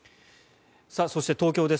そして東京です。